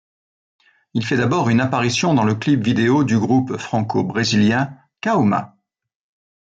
Il fait d'abord une apparition dans le clip-vidéo du groupe franco-brésilien Kaoma.